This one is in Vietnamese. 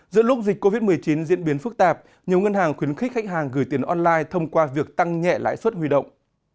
giữa lúc dịch covid một mươi chín diễn biến phức tạp nhiều ngân hàng khuyến khích khách hàng gửi tiền online thông qua việc tăng nhẹ lãi suất huy động